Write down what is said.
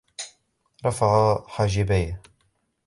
رفع حاجبيه.